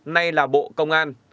nay là bộ công an